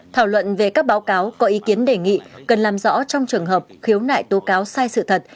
thảo luận về các báo cáo có ý kiến đề nghị cần làm rõ trong trường hợp khiếu nại tố cáo sai sự thật